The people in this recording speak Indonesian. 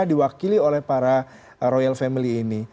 diwakili oleh para royal family ini